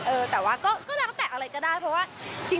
เออแต่ว่าก็แล้วแต่อะไรก็ได้เพราะว่า